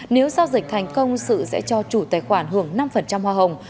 nếu giao dịch thành công sự sẽ cho chủ tài khoản hưởng năm hoa hồng